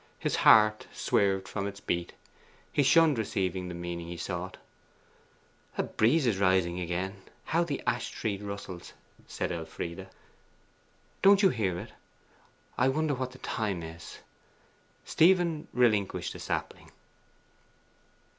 His heart swerved from its beat; he shunned receiving the meaning he sought. 'A breeze is rising again; how the ash tree rustles!' said Elfride. 'Don't you hear it? I wonder what the time is.' Stephen relinquished the sapling.